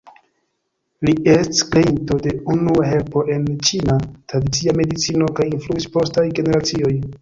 Li ests kreinto de unua helpo en Ĉina tradicia medicino kaj influis postaj generacioj.